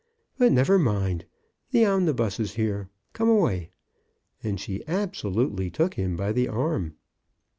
"But never mind. The omnibus is here. Come away." And she absolutely took him by the arm.